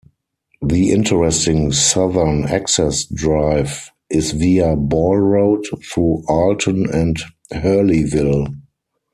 The interesting southern access drive is via Ball Road through Alton and Hurleyville.